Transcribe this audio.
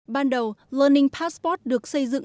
ban đầu learning passport được xây dựng